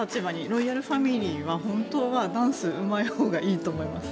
ロイヤルファミリーは本当はダンスがうまいほうがいいと思います。